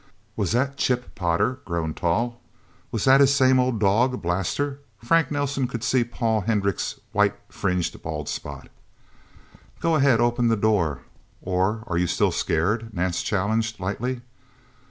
Was that Chip Potter, grown tall? Was that his same old dog, Blaster? Frank Nelsen could see Paul Hendricks' white fringed bald spot. "Go ahead open the door. Or are you still scared?" Nance challenged lightly.